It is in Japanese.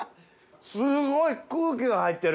すごい空気が入ってる。